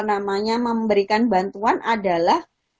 namanya memberikan bantuan adalah